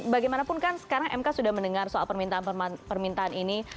bagaimanapun kan sekarang mk sudah mendengar soal permintaan ini